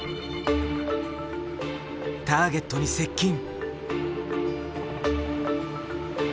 ターゲットに接近。